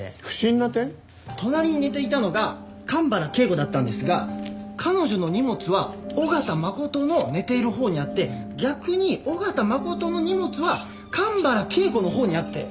隣に寝ていたのが神原恵子だったんですが彼女の荷物は緒方真琴の寝ているほうにあって逆に緒方真琴の荷物は神原恵子のほうにあって。